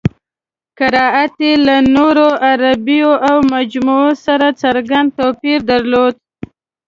قرائت یې له نورو عربو او عجمو سره څرګند توپیر درلود.